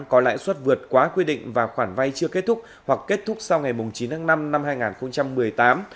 có lãi suất vượt quá quy định và khoản vay chưa kết thúc hoặc kết thúc sau ngày chín tháng năm năm hai nghìn một mươi tám